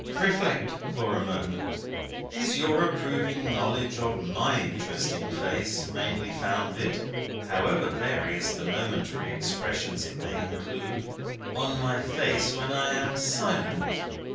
Reflect for a moment. Is your approving knowledge of my interesting face mainly founded (however various the momentary expressions it may include) on my face when I am silent?"